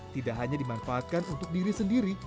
tidak hanya dimanfaatkan untuk diri sendiri